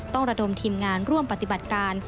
ระดมทีมงานร่วมปฏิบัติการ